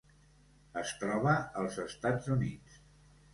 Es troba als Estats Units.